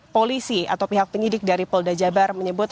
polisi atau pihak penyidik dari polda jabar menyebut